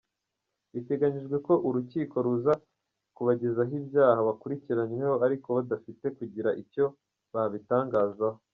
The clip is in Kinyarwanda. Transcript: Biteganyijwe ko urukiko ruza kubagezaho ibyaha bakurikiranyweho, ariko badafite kugira icyo babitangazaho.